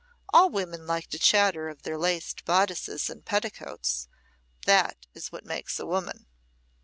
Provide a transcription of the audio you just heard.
All women like to chatter of their laced bodices and petticoats. That is what makes a woman."